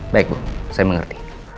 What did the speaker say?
baik bu saya mengerti